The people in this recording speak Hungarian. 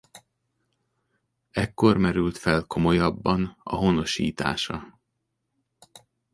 Ekkor merült fel komolyabban a honosítása.